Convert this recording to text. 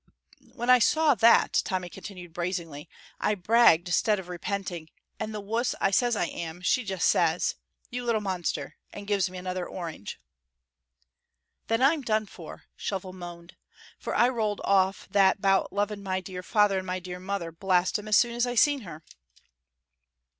"When I saw that," Tommy continued, brazenly, "I bragged 'stead of repenting, and the wuss I says I am, she jest says, 'You little monster,' and gives me another orange." "Then I'm done for," Shovel moaned, "for I rolled off that 'bout loving my dear father and my dear mother, blast 'em, soon as I seen her."